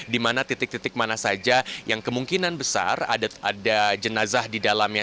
di mana titik titik mana saja yang kemungkinan besar ada jenazah di dalamnya